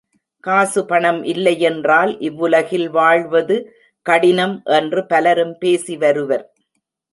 காசு பணம் இல்லையென்றால் இவ்வுலகில் வாழ்வது கடினம் என்று பலரும் பேசி வருவர்.